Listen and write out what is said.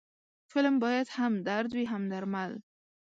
فلم باید هم درد وي، هم درمل